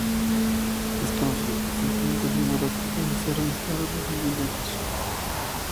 Es conocido por su imponente figura que puede ser avistada desde muy lejos.